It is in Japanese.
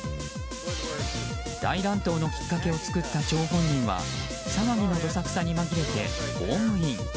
大乱闘のきっかけを作った張本人は騒ぎのどさくさに紛れてホームイン。